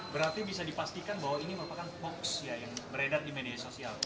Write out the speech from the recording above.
berarti bisa dipastikan bahwa ini merupakan hoax yang beredar di media sosial